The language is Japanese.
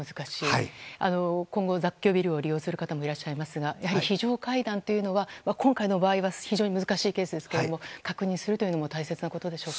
今後、雑居ビルを利用する方もいらっしゃいますがやはり非常階段というのは今回の場合は非常に難しいケースですが確認するのも大切なことでしょうか。